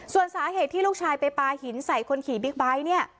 ส่วนสาเหตุที่ลูกชายไปปลาหินใส่คนขี่บิ๊กไบท์เนี่ย